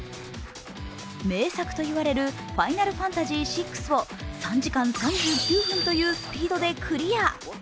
名作といわれる「ファイナルファンタジーⅥ」を３時間３９分というスピードでクリア。